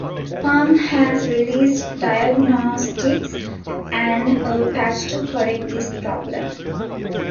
Palm has released diagnostics and a patch to correct this problem.